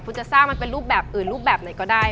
คุณจะสร้างมันเป็นรูปแบบอื่นรูปแบบไหนก็ได้